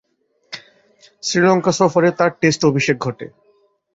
শ্রীলঙ্কা সফরে তার টেস্ট অভিষেক ঘটে।